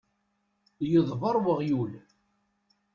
Yeḍbeṛ weɣyul.